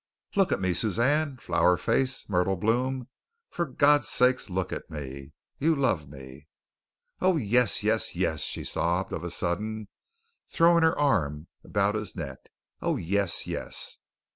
"Look at me, Suzanne. Flower face. Myrtle Bloom. For God's sake, look at me! You love me." "Oh, yes, yes, yes," she sobbed of a sudden, throwing her arm around his neck. "Oh, yes, yes."